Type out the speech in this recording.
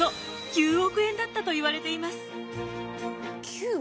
９億！